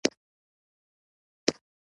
ما له دوکانه تازه اوړه واخیستل.